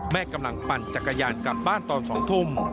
กำลังปั่นจักรยานกลับบ้านตอน๒ทุ่ม